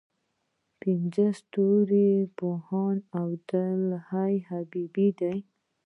دغه پنځه ستوري پوهاند عبدالحی حبیبي دی.